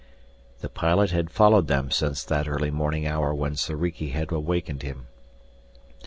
The pilot had followed them since that early morning hour when Soriki had awakened him.